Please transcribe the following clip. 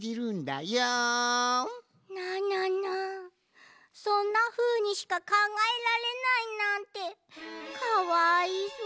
なななそんなふうにしかかんがえられないなんてかわいそう。